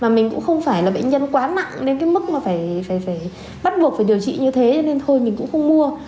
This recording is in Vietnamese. mà mình cũng không phải là bệnh nhân quá nặng nên cái mức mà phải bắt buộc phải điều trị như thế nên thôi mình cũng không mua